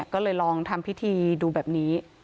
ก็เลยลองทำพิธีดูแบบนี้